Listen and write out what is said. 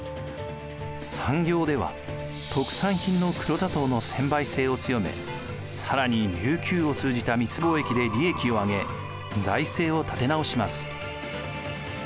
産業では特産品の黒砂糖の専売制を強め更に琉球を通じた密貿易で利益を上げ財政を立て直します。